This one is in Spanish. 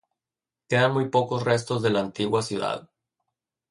Quedan muy pocos restos de la antigua ciudad.